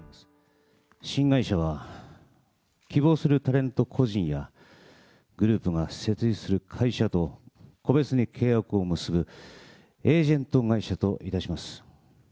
新会社は、希望するタレント個人や、グループが設立する会社と、個別に契約を結ぶエージェント会社といたします。